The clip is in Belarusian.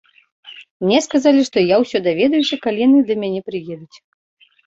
Мне сказалі, што я ўсё даведаюся, калі яны да мяне прыедуць.